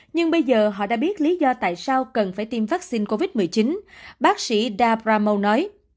nhưng bây giờ họ đã biết lý do tại sao cần phải tiêm vaccine covid một mươi chín bác sĩ dabramo nói